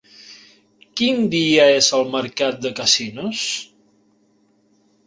Quin dia és el mercat de Casinos?